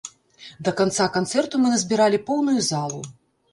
Да канца канцэрту мы назбіралі поўную залу!